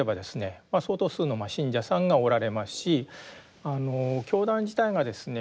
相当数の信者さんがおられますし教団自体がですね